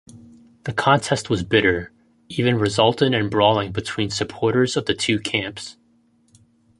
The contest was bitter, even resulting in brawling between supporters of the two camps.